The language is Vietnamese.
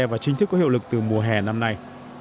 và chính thức có hiệu lực từ mùa hè năm nay